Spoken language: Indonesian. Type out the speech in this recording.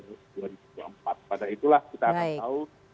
pada itulah kita akan tahu